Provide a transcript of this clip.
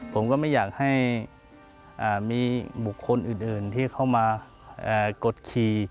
ผมก็ไม่อยากให้มีบุคคลอื่นที่เข้ามากดขี่